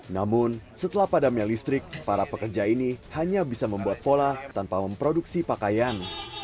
namun setelah padamnya listrik para pekerja ini hanya bisa membuat pola tanpa memproduksi pakaian